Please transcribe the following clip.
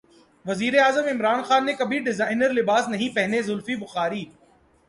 وزیراعظم عمران خان نے کبھی ڈیزائنر لباس نہیں پہنے زلفی بخاری